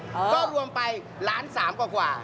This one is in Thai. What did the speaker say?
ก็รวมไป๑๓๐๐๐๐๐บาทกว่า